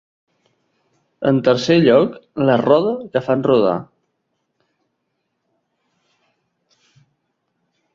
En tercer lloc, la roda que fan rodar.